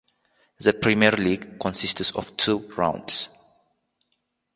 The Premier League consists of two rounds.